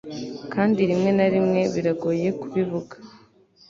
kandi rimwe na rimwe biragoye kubivuga